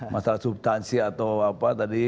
masalah subtansi atau apa tadi